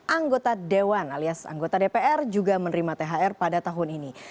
anggota dewan alias anggota dpr juga menerima thr pada tahun ini